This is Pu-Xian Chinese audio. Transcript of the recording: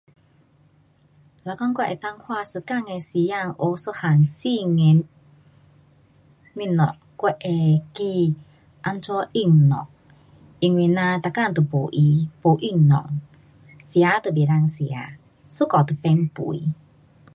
如果我能够花一天的时候学一样新的东西，我会选怎么运动。因为咱每天都没空，没运动。吃都不能吃，一下就变胖。